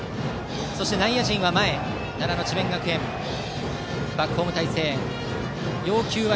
そして、内野陣は前奈良の智弁学園バックホーム態勢。